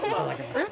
えっ？